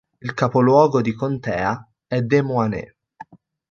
Il capoluogo di contea è Des Moines.